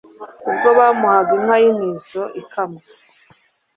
Ubwo bamuhaga inka y'intizo ikamwa